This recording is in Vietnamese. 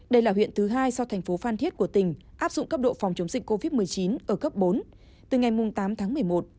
đây là huyện thứ hai sau thành phố phan thiết của tỉnh áp dụng cấp độ phòng chống dịch covid một mươi chín ở cấp bốn từ ngày tám tháng một mươi một